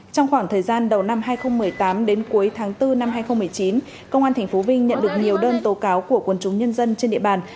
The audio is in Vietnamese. trong khoảng thời gian đầu năm hai nghìn một mươi tám đến cuối tháng bốn năm hai nghìn một mươi chín công an tp vinh nhận được nhiều đơn tố cáo của quân chúng nhân dân trên địa bàn